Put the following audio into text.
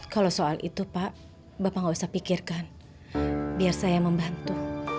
kalau soal itu pak bapak gak usah pikirkan biar saya membantu